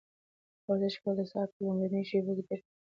ورزش کول د سهار په لومړیو شېبو کې ډېر کیف ورکوي.